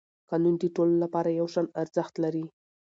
قانون د ټولو لپاره یو شان ارزښت لري